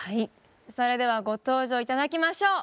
それではご登場頂きましょう。